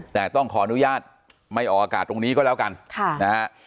แต่ต้องขออนุญาตไม่ออกอากาศตรงนี้ก็แล้วกันนะฮะ